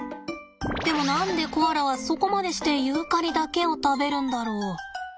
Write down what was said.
でも何でコアラはそこまでしてユーカリだけを食べるんだろ？